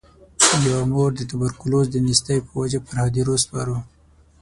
یوه مور د توبرکلوز د نیستۍ په وجه پر هدیرو سپارو.